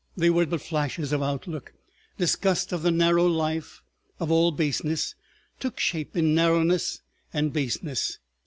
They were but flashes of outlook. Disgust of the narrow life, of all baseness, took shape in narrowness and baseness.